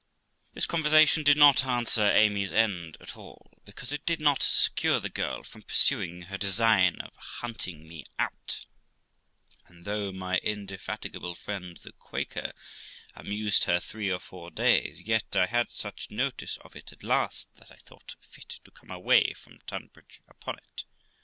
This conversation did not answer Amy's end at all, because it did not secure the girl from pursuing her design of hunting me out; and, though my indefatigable friend the Quaker amused her three or four days, yet I had such notice of it at last, that I thought fit to come away from Tun bridge upon it.